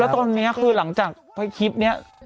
ตอนนี้คือหลังจากคลิปนี้